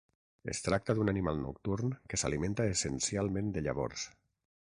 Es tracta d'un animal nocturn que s'alimenta essencialment de llavors.